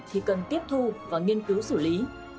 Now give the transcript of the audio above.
thì cần tiếp thu và nghiên cứu xử lý